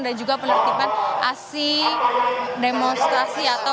dan juga penertiban aksi demonstrasi atau aksi undang undang